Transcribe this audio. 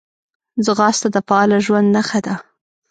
ځغاسته د فعاله ژوند نښه ده